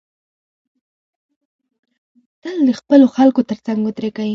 تل د خپلو خلکو تر څنګ ودریږی